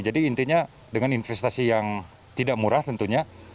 jadi intinya dengan investasi yang tidak murah tentunya